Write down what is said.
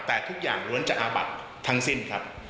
แต่ทุกอย่างล้วนจะอาบัดทั้งสิ้นครับ